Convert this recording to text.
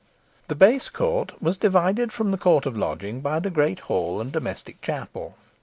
The base court was divided from the court of lodging by the great hall and domestic chapel.